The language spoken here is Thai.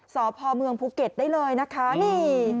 สภมภูเก็ตได้เลยนะคะนี่